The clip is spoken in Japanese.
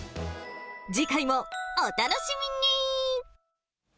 次回もお楽しみに。